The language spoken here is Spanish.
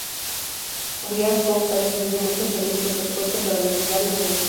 Brian Cox ha recibido muchos premios por su esfuerzo para divulgar la ciencia.